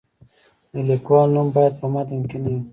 د لیکوال نوم باید په متن کې نه وي.